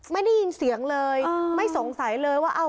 ไม่ได้ยินเสียงเลยไม่สงสัยเลยว่า